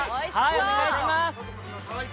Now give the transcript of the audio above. お願いします。